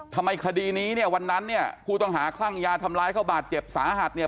ทำไมคดีนี้เนี่ยวันนั้นเนี่ยผู้ต้องหาคลั่งยาทำร้ายเขาบาดเจ็บสาหัสเนี่ย